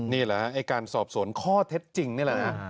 นี่แหละไอ้การสอบสวนข้อเท็จจริงนี่แหละฮะ